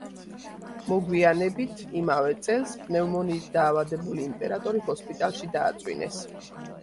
მოგვიანებით, იმავე წელს პნევმონიით დაავადებული იმპერატორი ჰოსპიტალში დააწვინეს.